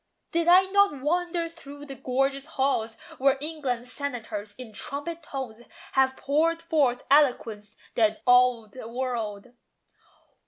Did I not wander through the gorgeous halls Where England's senators, in trumpet tones, Have poured forth eloquence that awed the world?